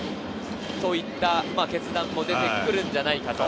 そういった決断も出てくるのではないかと。